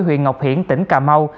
huyện ngọc hiển tỉnh cà mau